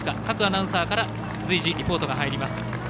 各アナウンサーから随時、リポートが入ります。